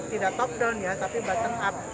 tidak top down ya tapi bottom up